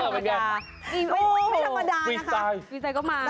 ไม่ธรรมดานะคะ